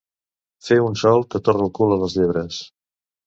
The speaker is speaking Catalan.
Fer un sol que torra el cul a les llebres.